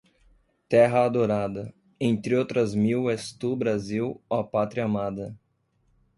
Terra adorada. Entre outras mil, és tu, Brasil, ó Pátria amada